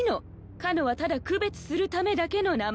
・「加乃」はただ区別するためだけの名前。